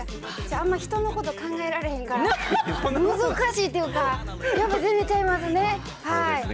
あんまり人のこと考えられへんから難しいというかやっぱ全然ちゃいますね。